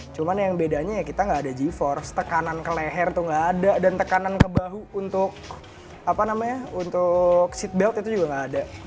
cuman yang bedanya ya kita gak ada g force tekanan ke leher tuh gak ada dan tekanan ke bahu untuk seatbelt itu juga gak ada